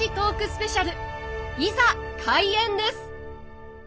スペシャルいざ開演です！